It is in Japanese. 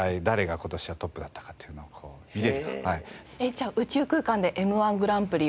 じゃあ宇宙空間で『Ｍ−１グランプリ』を。